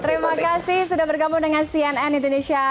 terima kasih sudah bergabung dengan cnn indonesia